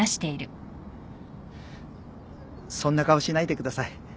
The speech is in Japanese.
そんな顔しないでください